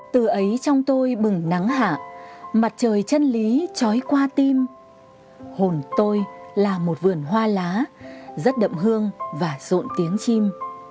từ ấy trong tôi bừng nắng hạ mặt trời chân lý trói qua tim hồn tôi là một vườn hoa lá rất đậm hương và rộn tiếng chim